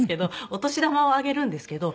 お年玉をあげるんですけど。